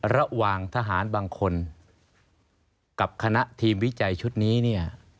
ระหว่างทหารบางคนกับคณะทีมวิจัยชุดนี้เนี่ย